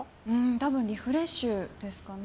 多分リフレッシュですかね。